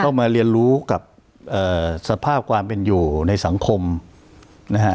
มาเรียนรู้กับสภาพความเป็นอยู่ในสังคมนะฮะ